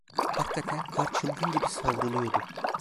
Hakikaten kar çılgın gibi savruluyordu.